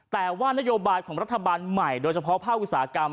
แต่ว่านโยบายของรัฐบาลใหม่โดยเฉพาะภาคอุตสาหกรรม